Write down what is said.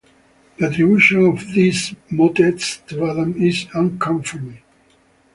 The attribution of these motets to Adam is unconfirmed.